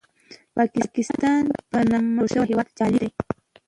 پاکستان په نامه جوړ شوی هېواد جعلي دی.